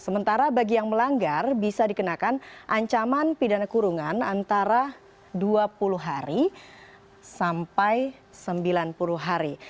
sementara bagi yang melanggar bisa dikenakan ancaman pidana kurungan antara dua puluh hari sampai sembilan puluh hari